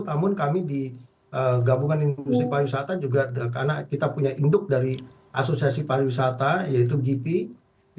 namun kami di gabungan industri pariwisata juga karena kita punya induk dari asosiasi pariwisata yaitu gp